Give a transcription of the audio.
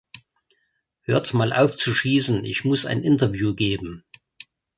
Hört mal auf zu schießen, ich muss ein Interview geben!